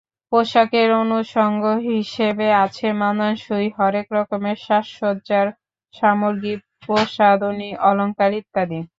পোশাকের অনুষঙ্গ হিসেবে আছে মানানসই হরেক রকমের সাজসজ্জার সামগ্রী, প্রসাধনী, অলংকার ইত্যাদি।